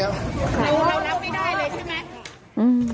แต่ที่เรารับไม่ได้เลยใช่ไหม